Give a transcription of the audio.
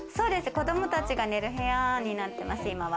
子供たちが寝る部屋になってます、今は。